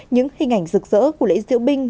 những hình ảnh rực rỡ của lễ diễu binh